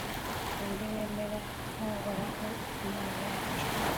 ni nde wamera nk'uhoraho imana yacu